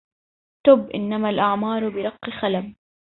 تب إنما الأعمار برق خلب